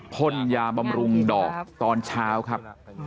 พ่นยาบำรุงดอกตอนเช้าครับ